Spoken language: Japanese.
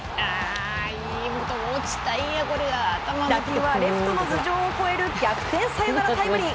打球はレフトの頭上を越える逆転サヨナラタイムリー！